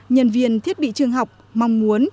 nhân viên thiết bị trường học mong muốn